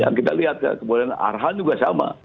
yang kita lihat kemudian arhan juga sama